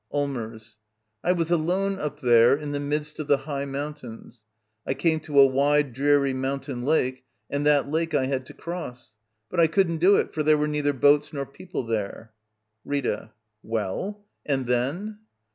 ] Allmbrs. I was alone up there, in the midst of the high mountains. I came to a wide, dreary moun tain lake, and that lake I had to cross. But I couldn't do it, for there were neither boats nor people there. Rita. Well? And then?